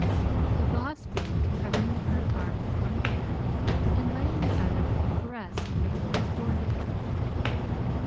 The Boss bent, covering the hurt arm with one hand and laying the other with a caress on the boy's forehead.